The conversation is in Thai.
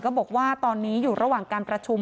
บอกว่าตอนนี้อยู่ระหว่างการประชุม